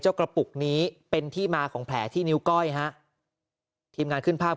กระปุกนี้เป็นที่มาของแผลที่นิ้วก้อยฮะทีมงานขึ้นภาพ